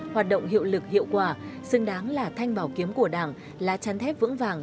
hoạt động hiệu lực hiệu quả xứng đáng là thanh bảo kiếm của đảng là chăn thép vững vàng